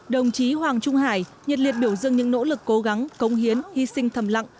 đồng chí hoàng trung hải nhiệt liệt biểu dưng những nỗ lực cố gắng công hiến hy sinh thầm lặng